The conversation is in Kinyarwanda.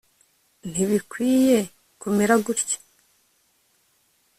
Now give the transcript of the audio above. ntibikwiye kumera gutya